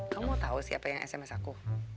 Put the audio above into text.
kamu mau tau siapa yang sms aku